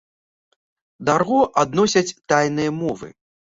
Да арго адносяць тайныя мовы.